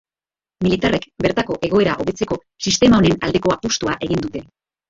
Militarrek bertako egoera hobetzeko sistema honen aldeko apustua egin dute.